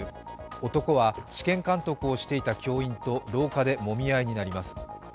男は試験監督をしていた教員と廊下でもみ合いになります。